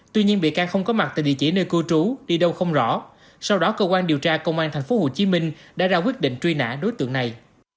tuy nhiên bị can không có mặt tại địa chỉ nơi cư trú đi đâu không rõ sau đó cơ quan điều tra công an tp hcm đã ra quyết định truy nã đối tượng này